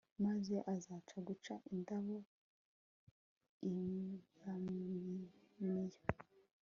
maze aza guca ingando i yaminiya